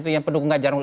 saya eko kuntadi